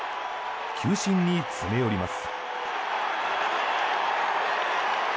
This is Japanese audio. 球審に詰め寄ります。